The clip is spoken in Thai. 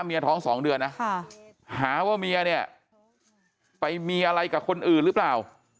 เมียท้อง๒เดือนนะหาว่าเมียเนี่ยไปมีอะไรกับคนอื่นหรือเปล่า